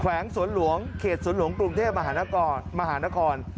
แข่งสวนหลวงเขตสวนหลวงกรุงเทพมหานคร